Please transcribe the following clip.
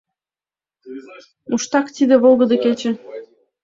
Мутшак тиде Волгыдо кече